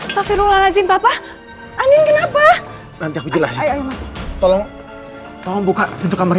sofirullahaladzim papa anin kenapa nanti aku jelas tolong tolong buka untuk andi